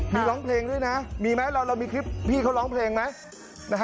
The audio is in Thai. มีร้องเพลงด้วยนะมีไหมเรามีคลิปพี่เขาร้องเพลงไหม